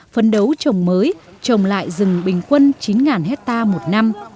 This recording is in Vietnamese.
phấn đấu trồng mới trồng lại rừng bình quân chín hectare một năm